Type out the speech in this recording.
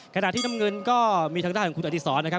ขณะที่น้ำเงินก็มีทางด้านของคุณอดีศรนะครับ